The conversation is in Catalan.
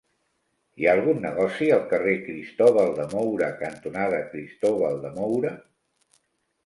Hi ha algun negoci al carrer Cristóbal de Moura cantonada Cristóbal de Moura?